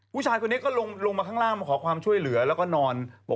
ผู้ชายคนนี้ก็ลงมาข้างล่างมาขอความช่วยเหลือแล้วก็นอน